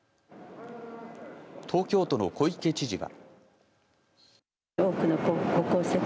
東京都の小池知事は。